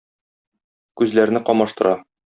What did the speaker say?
Күзләрне камаштыра.